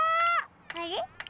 あれ？